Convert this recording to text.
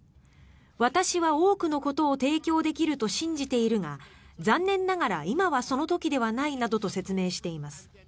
私は多くのことを提供できると信じているが残念ながら今はその時ではないなどと説明しています。